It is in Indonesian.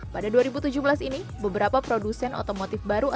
pada dua ribu tujuh belas ini beberapa produsen otomotif baru